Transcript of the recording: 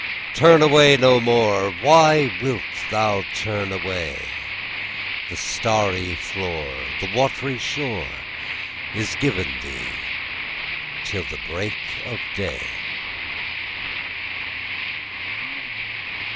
'Turn away no more; Why wilt thou turn away? The starry floor, The watery shore, Is given thee till the break of day.